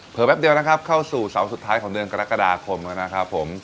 แป๊บเดียวนะครับเข้าสู่เสาร์สุดท้ายของเดือนกรกฎาคมแล้วนะครับผม